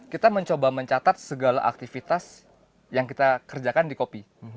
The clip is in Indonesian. kita mencoba mencatat segala aktivitas yang kita kerjakan di kopi